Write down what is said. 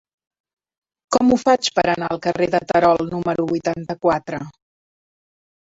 Com ho faig per anar al carrer de Terol número vuitanta-quatre?